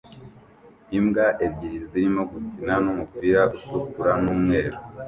Imbwa ebyiri zirimo gukina n'umupira utukura n'umweru